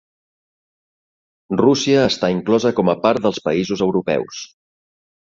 Rússia està inclosa com a part dels països europeus.